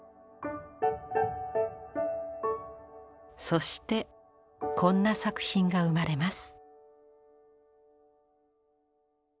そしてこんな作品が生まれます。